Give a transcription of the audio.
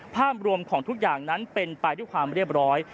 ภาพรวมของทุกอย่างนั้นเป็นไปด้วยความเรียบร้อย